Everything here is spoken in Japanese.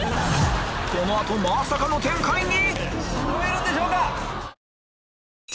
この後まさかの展開に！